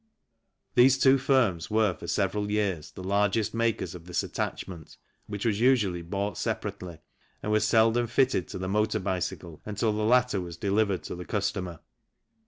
These two firms were for several years the largest makers of this attachment, which was usually bought separately, and was seldom fitted to the motor bicycle until the latter was delivered to the customer.